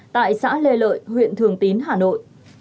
tại xã lê lợi huyện thường tín hà nội